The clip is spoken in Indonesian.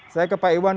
saya ke pak iwan